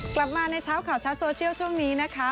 กลับมาในเช้าข่าวชัดโซเชียลช่วงนี้นะคะ